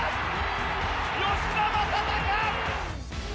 吉田正尚！